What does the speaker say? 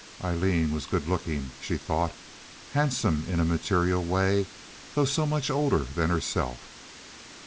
Aileen was good looking, she thought—handsome in a material way, though so much older than herself.